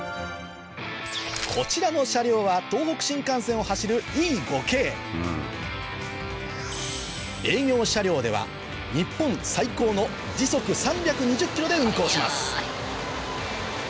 こちらの車両は東北新幹線を走る営業車両では日本最高の時速３２０ｋｍで運行します